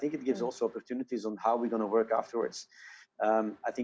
ini juga memberikan kesempatan untuk berkerja kemudian